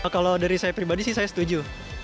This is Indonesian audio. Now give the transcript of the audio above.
kalau dari saya pribadi sih saya setuju